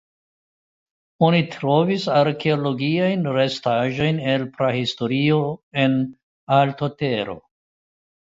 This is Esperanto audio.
Oni trovis arkeologiajn restaĵojn el Prahistorio en Altotero.